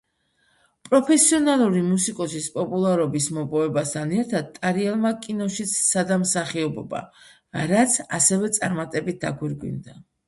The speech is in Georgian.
პროფესიონალური მუსიკოსის პოპულარობის მოპოვებასთან ერთად ტარიელმა კინოშიც სცადა მსახიობობა, რაც ასევე წარმატებით დაგვირგვინდა.